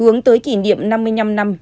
hướng tới kỷ niệm năm mươi năm năm